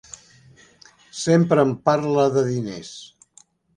Sempre em parla de diners.